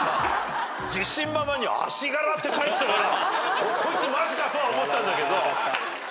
自信満々に「足柄」って書いてたからこいつマジかとは思ったんだけど。